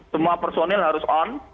semua personil harus on